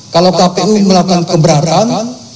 kalau kpu melakukan pemberatan